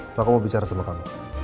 soal aku mau bicara sama kamu